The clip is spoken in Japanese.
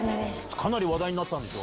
かなり話題になったでしょ？